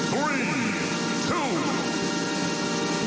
ถุง